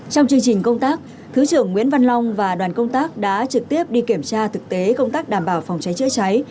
trong chương trình công tác thứ trưởng nguyễn văn long và đoàn công tác đã trực tiếp đi kiểm tra thực tế công tác đảm bảo phòng cháy chữa cháy